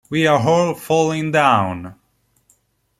We Are All Falling Down!